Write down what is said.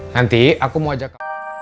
nanti aku mau ajak